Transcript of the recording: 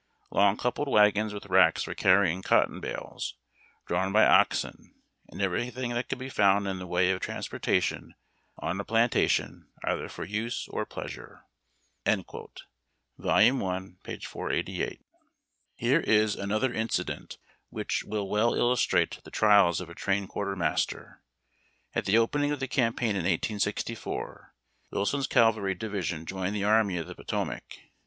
long coupled wagons with racks for carrying cotton bales, drawn by oxen, and everything that could be found in the way of transportation on a plantation, either for use or pleasure." [Vol. i., p. 488.] Here is another incident which will well illustrate the trials of a train quartermaster. At the opening of the campaign in 1864, Wilson's cavalry division joined the Army of the Potomac.